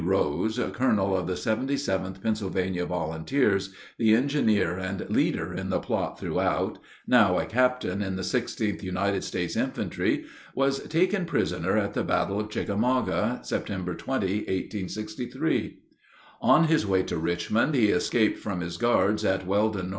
Rose, colonel of the 77th Pennsylvania Volunteers, the engineer and leader in the plot throughout, now a captain in the 16th United States Infantry, was taken prisoner at the battle of Chickamauga, September 20, 1863. On his way to Richmond he escaped from his guards at Weldon, N.C.